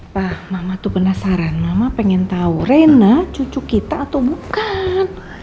wah mama tuh penasaran mama pengen tahu reina cucu kita atau bukan